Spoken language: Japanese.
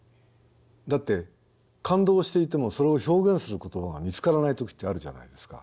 だって感動していてもそれを表現する言葉が見つからない時ってあるじゃないですか。